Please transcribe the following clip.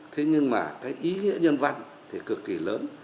thế nhưng mà cái ý nghĩa nhân văn thì cực kỳ lớn